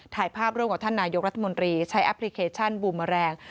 ถ่ายภาพร่วมกับท่านนายกรัฐมนตรีใช้แอปพลิเคชันบูมแมลง